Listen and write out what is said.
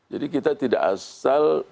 jadi kita tidak asal